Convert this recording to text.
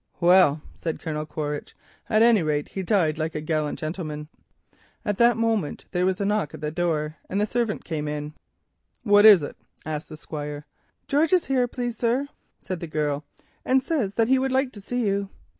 "Well," said Colonel Quaritch, "at any rate he died like a gallant gentleman." At that moment there was a knock at the door, and the servant came in. "What is it?" asked the Squire. "George is here, please, sir," said the girl, "and says that he would like to see you."